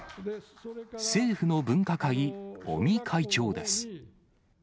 政府の分科会、尾身会長です。